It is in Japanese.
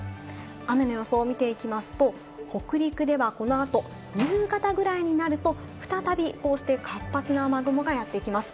雨の予想を見ていきますと、北陸ではこの後、夕方ぐらいになると再びこうして活発な雨雲がやってきます。